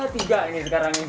tiga ini sekarang